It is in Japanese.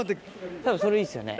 たぶんそれいいですよね。